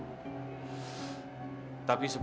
tapi seperti itu kita bisa berjalan